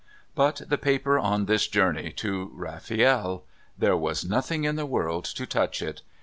But the paper on this journey to Rafield! There was nothing in the world to touch it.